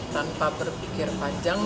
tanpa berpikir panjang